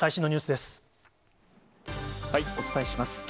お伝えします。